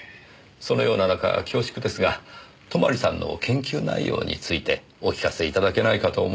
そのような中恐縮ですが泊さんの研究内容についてお聞かせ頂けないかと思いまして。